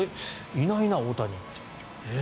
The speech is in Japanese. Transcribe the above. いないな、大谷って。